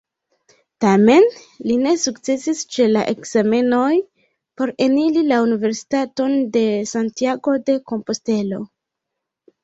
Tamen, li ne sukcesis ĉe la ekzamenoj por eniri la Universitaton de Santiago-de-Kompostelo.